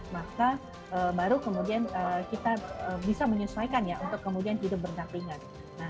maka baru kemudian kita bisa menyesuaikan ya untuk kemudian hidup berdampingan